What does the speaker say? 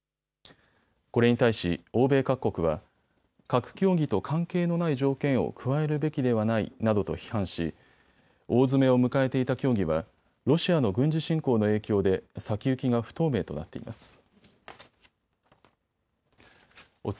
これに対し欧米各国は核協議と関係のない条件を加えるべきではないなどと批判し大詰めを迎えていた協議はロシアの軍事侵攻の影響で先行きが不透明となっています。